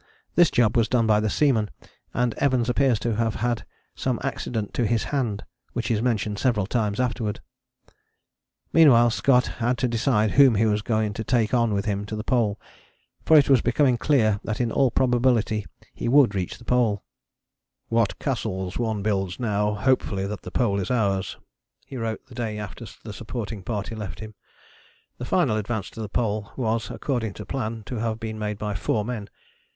This job was done by the seamen, and Evans appears to have had some accident to his hand, which is mentioned several times afterwards. Meanwhile Scott had to decide whom he was going to take on with him to the Pole, for it was becoming clear that in all probability he would reach the Pole: "What castles one builds now hopefully that the Pole is ours," he wrote the day after the supporting party left him. The final advance to the Pole was, according to plan, to have been made by four men.